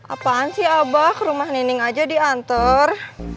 apaan sih abah ke rumah nining aja diatur